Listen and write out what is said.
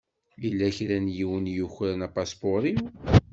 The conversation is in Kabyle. Yella kra n yiwen i yukren apaspuṛ-iw.